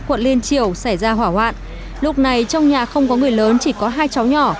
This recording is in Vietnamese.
quận liên triều xảy ra hỏa hoạn lúc này trong nhà không có người lớn chỉ có hai cháu nhỏ